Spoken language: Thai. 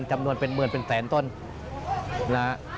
จำนวนเป็นหมื่นเป็นแสนต้นนะฮะ